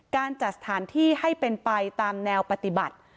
การจัดสถานที่ให้เป็นไปตามแนวปฏิบัติ